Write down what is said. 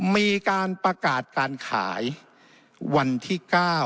มีการประกาศการขายวันที่๙